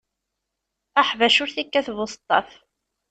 Aḥbac ur t-ikkat buseṭṭaf.